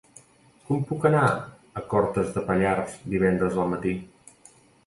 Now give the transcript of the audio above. Com puc anar a Cortes de Pallars divendres al matí?